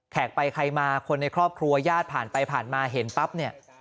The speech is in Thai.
ไปใครมาคนในครอบครัวญาติผ่านไปผ่านมาเห็นปั๊บเนี่ย